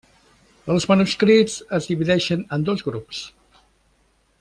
Els manuscrits es divideixen en dos grups.